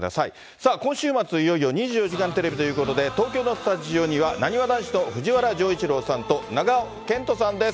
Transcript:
さあ、今週末、いよいよ２４時間テレビということで、東京のスタジオには、なにわ男子の藤原丈一郎さんと長尾謙杜さんです。